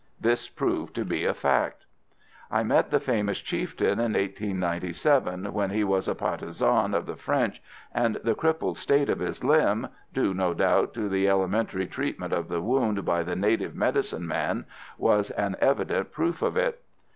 This proved to be a fact. I met the famous chieftain in 1897, when he was a partisan of the French, and the crippled state of his limb due, no doubt, to the elementary treatment of the wound by the native medicine man was an evident proof of it.